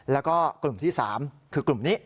แล้วก็กลุ่มที่๓คือกลุ่มนี้